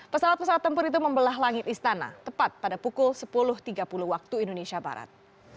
pesawat pesawat tempur itu membelah langit istana tepat pada pukul sepuluh tiga puluh waktu indonesia barat